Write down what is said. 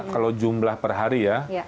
kalau jumlah per hari ya